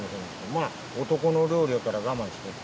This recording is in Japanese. まぁ男の料理やから我慢して。